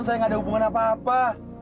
saya gak ada hubungan apa apa